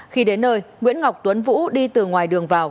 khi đến nơi nguyễn ngọc tuấn vũ đi từ ngoài đường vào